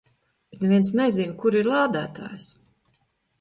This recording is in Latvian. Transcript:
Bet neviens nezin, kur ir lādētājs.